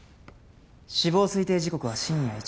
死亡推定時刻は深夜１時頃。